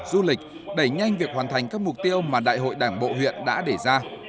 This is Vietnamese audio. du lịch đẩy nhanh việc hoàn thành các mục tiêu mà đại hội đảng bộ huyện đã để ra